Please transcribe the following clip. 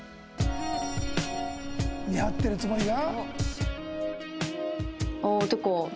見張ってるつもりが？